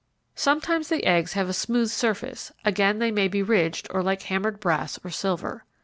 Sometimes the eggs have a smooth surface, again they may be ridged or like hammered brass or silver.